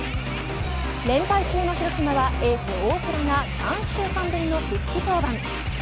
連敗中の広島はエース大瀬良が３週間ぶりの復帰登板。